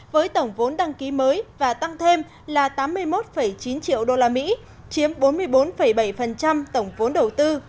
với tổng vốn đăng ký mới và tăng thêm là tám mươi một chín triệu usd chiếm bốn mươi bốn bảy tổng vốn đầu tư